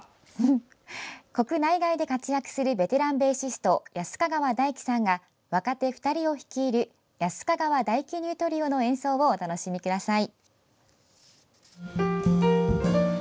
国内外で活躍するベテランベーシスト安ヵ川大樹さんが若手２人を率いる安ヵ川大樹ニュートリオの演奏をお楽しみください！